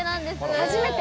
初めて？